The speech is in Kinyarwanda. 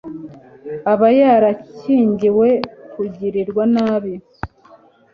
aba yarakingiwe kugirirwa nabi